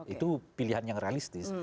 itu pilihan yang realistis